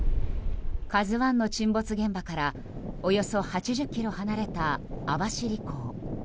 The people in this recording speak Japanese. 「ＫＡＺＵ１」の沈没現場からおよそ８０ｋｍ離れた網走港。